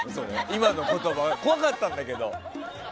今の言葉怖かったんだけど。